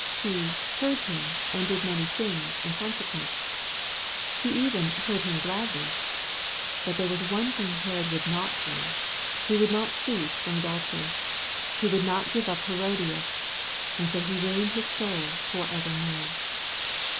He " heard him, and did man) things" in consequence. He even " heard him gladly.' But there was one thing Herod would not do. He wouW not cease from adultery. He would not give up Hero dias. And so he ruined his soul for evermore.